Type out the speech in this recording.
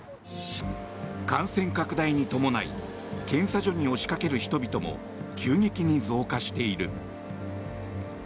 韓国拡大に伴い検査所に押しかける人々も急激に増加している。